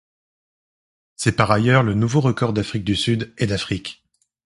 C'est par ailleurs le nouveau record d'Afrique du Sud et d'Afrique.